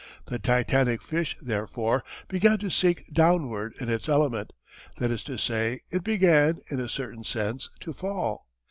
The titanic fish, therefore, began to sink downward in its element, that is to say, it began, in a certain sense, to fall.